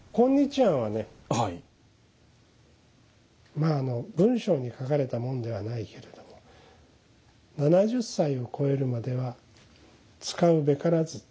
まああの文章に書かれたものではないけれども７０歳を超えるまでは使うべからずと言われているの。